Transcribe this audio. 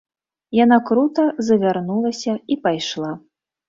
Яна крута завярнулася і пайшла.